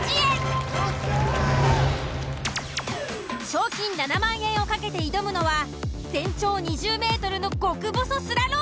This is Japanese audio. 賞金７万円を懸けて挑むのは全長２０ｍの極細スラローム！